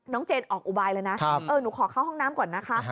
เจนออกอุบายเลยนะหนูขอเข้าห้องน้ำก่อนนะคะ